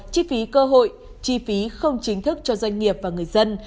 chi phí cơ hội chi phí không chính thức cho doanh nghiệp và người dân